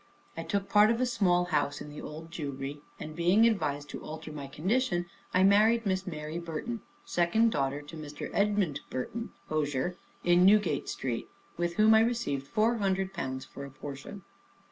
I took part of a small house in the Old Jewry; and being advised to alter my condition, I married Miss Mary Burton, second daughter to Mr. Edmund Burton, hosier, in Newgate Street, with whom I received four hundred pounds for a portion.